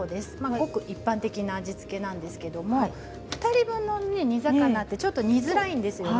ごく一般的な味付けなんですけれど２人分の煮魚はちょっと煮づらいんですよね。